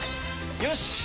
よし！